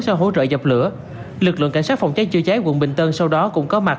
sau hỗ trợ dập lửa lực lượng cảnh sát phòng cháy chữa cháy quận bình tân sau đó cũng có mặt